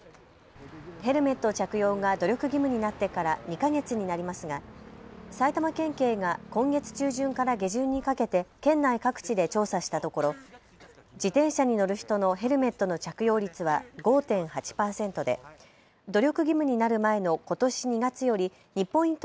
ヘルメット着用が努力義務になってから２か月になりますが埼玉県警が今月中旬から下旬にかけて県内各地で調査したところ、自転車に乗る人のヘルメットの着用率は５．８％で努力義務になる前のことし２月より２ポイント